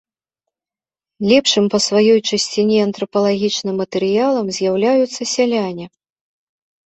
Лепшым па сваёй чысціні антрапалагічным матэрыялам з'яўляюцца сяляне.